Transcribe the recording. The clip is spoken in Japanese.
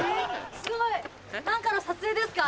・すごい・何かの撮影ですか？